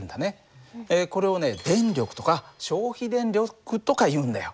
これをね電力とか消費電力とかいうんだよ。